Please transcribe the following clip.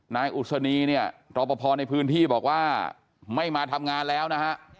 นายอุศนีเนี่ยรอปภในพื้นที่บอกว่าไม่มาทำงานแล้วนะฮะ